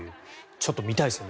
ちょっと見たいですね